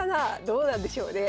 どうなんでしょうね。